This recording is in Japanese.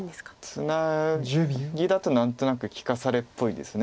ツナギだと何となく利かされっぽいです。